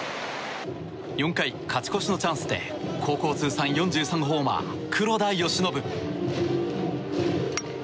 ４回、勝ち越しのチャンスで高校通算４３ホーマー黒田義信。